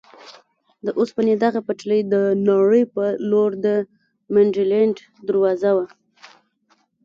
د اوسپنې دغه پټلۍ د نړۍ په لور د منډلینډ دروازه وه.